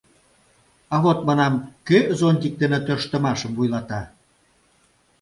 — А вот, манам, кӧ зонтик дене тӧрштымашым вуйлата?